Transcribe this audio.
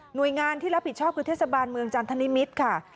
โดยงานที่รับผิดชอบคือเทศบาลเมืองจันทนิมิตรค่ะ